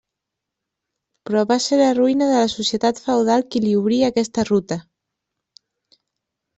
Però va ser la ruïna de la societat feudal qui li obrí aquesta ruta.